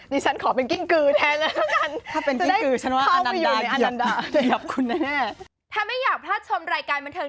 ดิฉันขอเป็นกิ้งกือแทนแล้วกัน